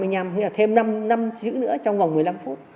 hay là thêm năm chữ nữa trong vòng một mươi năm phút